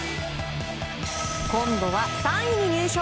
今度は３位に入賞。